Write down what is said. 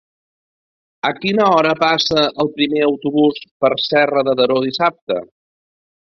A quina hora passa el primer autobús per Serra de Daró dissabte?